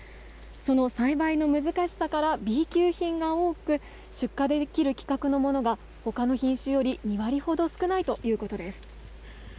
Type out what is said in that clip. その栽培の難しさから、Ｂ級品が多く、出荷できる規格のものがほかの品種より２割ほど少ないということです。